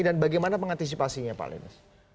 dan bagaimana mengantisipasinya pak lenis